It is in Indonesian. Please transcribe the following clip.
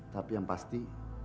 tapi yang pasti